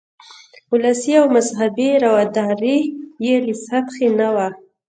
ولسي او مذهبي رواداري یې له سطحې نه وه.